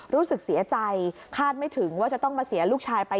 รู้สึกเสียใจคาดไม่ถึงว่าจะต้องมาเสียลูกชายไป